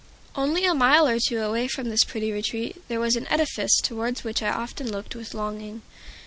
Only a mile or two away from this pretty retreat there was an edifice towards which I often looked with longing.